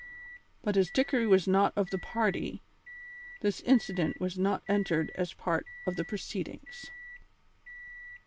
But as Dickory was not of the party, this incident was not entered as part of the proceedings.